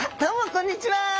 こんにちは。